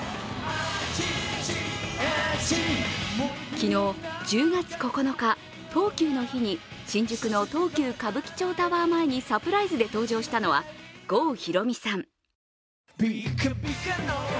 昨日１０月９日、トウキュウの日に新宿の東急歌舞伎町タワーの前にサプライズで登場したのは郷ひろみさん。